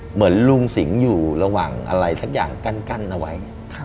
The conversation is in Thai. เหมือนลุงสิงห์อยู่ระหว่างอะไรสักอย่างกั้นเอาไว้